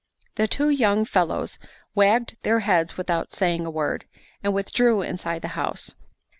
The two young fellows wagged their heads without saying a word, and withdrew inside the house.